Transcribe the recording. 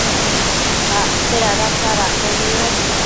acte dada sadacno niosh